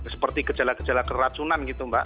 seperti gejala gejala keracunan gitu mbak